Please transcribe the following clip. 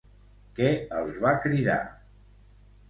Què els va cridar?